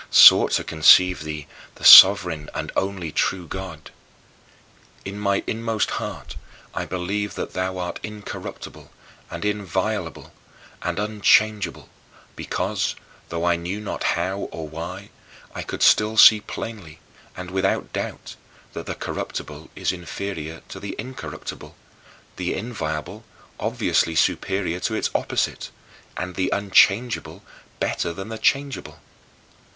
sought to conceive thee, the sovereign and only true God. In my inmost heart, I believed that thou art incorruptible and inviolable and unchangeable, because though I knew not how or why I could still see plainly and without doubt that the corruptible is inferior to the incorruptible, the inviolable obviously superior to its opposite, and the unchangeable better than the changeable.